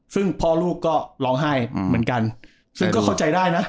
ซึ่งพ่อลูกก็ร้องไห้เหมือนกันซึ่งก็เข้าใจได้นะ